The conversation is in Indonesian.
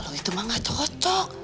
loh itu mah gak cocok